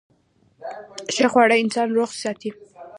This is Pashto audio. ښه خواړه انسان روغ ساتي.